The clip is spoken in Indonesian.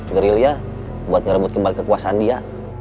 gerilya buat ngerebut kembali kekuasaan dia